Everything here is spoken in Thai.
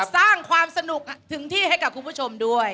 สร้างความสนุกถึงที่ให้กับคุณผู้ชมด้วย